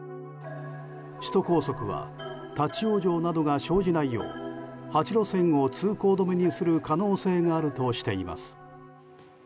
首都高速は立ち往生などが生じないよう８路線を通行止めにする可能性があるとしています。